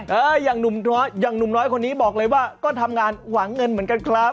เอออย่างหนุ่มน้อยคนนี้บอกเลยว่าก็ทำงานหวังเงินเหมือนกันครับ